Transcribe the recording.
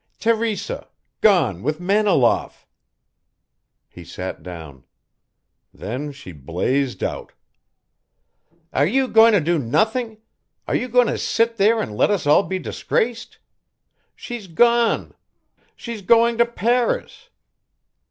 "Teresa gone with Maniloff." He sat down. Then she blazed out. "Are you going to do nothing are you going to sit there and let us all be disgraced? She's gone she's going to Paris.